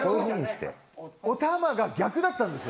おたまが逆だったんですよ。